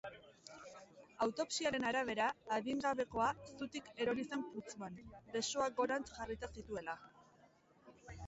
Autopsiaren arabera, adingabekoa zutik erori zen putzuan, besoak gorantz jarrita zituela.